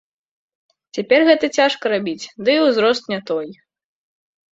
Цяпер гэта цяжка рабіць, ды і ўзрост не той.